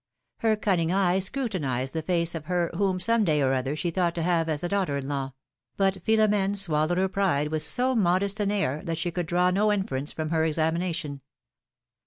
Her cunning eye scrutinized the face of her whom some 66 philom^:ne's marriages. day or other she thought to have as daughter in law; but Philom^ne swallowed her pride with so modest an air that she could draw no inference from her examination.